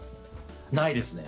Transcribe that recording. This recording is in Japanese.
ないですね。